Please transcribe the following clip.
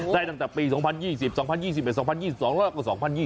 ตั้งแต่ปี๒๐๒๐๒๐๒๑๒๐๒๒แล้วก็๒๐๒๐